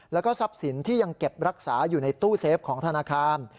แล้วก็ทรัพย์สินที่ยังเก็บรักษาอยู่ในตู้เซฟของธนาคาร